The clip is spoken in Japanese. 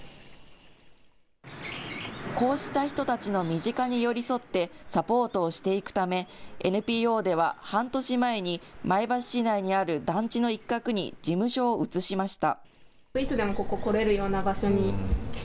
こうした人たちの身近に寄り添って、サポートをしていくため、ＮＰＯでは半年前に前橋市内にある団地の一角に事務所を移しました。